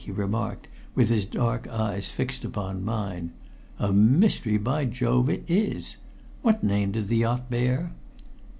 he remarked with his dark eyes fixed upon mine. "A mystery, by Jove, it is! What name did the yacht bear?"